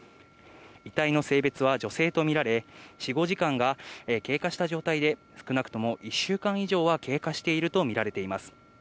遺体の性別は女性と見られ、死後時間が経過した状態で、少なくとも１週間以上は経過していると見られています。